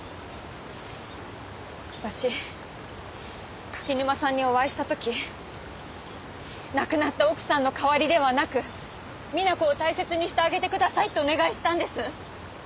私柿沼さんにお会いした時亡くなった奥さんの代わりではなくみな子を大切にしてあげてくださいってお願いしたんです。